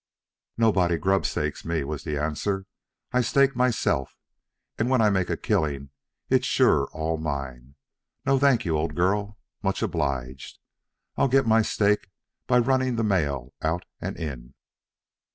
"Nobody grub stakes me," was the answer. "I stake myself, and when I make a killing it's sure all mine. No thank you, old girl. Much obliged. I'll get my stake by running the mail out and in."